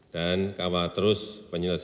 dan kawal terus penyelidikan